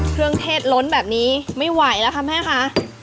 เครื่องเทศล้นแบบนี้ไม่ไหวแล้วค่ะแม่ค่ะ